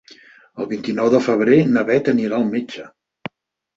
El vint-i-nou de febrer na Beth anirà al metge.